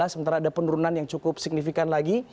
sementara ada penurunan yang cukup signifikan lagi